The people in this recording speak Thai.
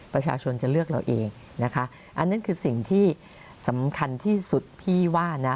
ประชาชนจะเลือกเราเองนะคะอันนั้นคือสิ่งที่สำคัญที่สุดพี่ว่านะ